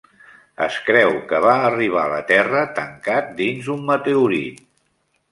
Es creu que va arribar a la Terra tancat dins un meteorit.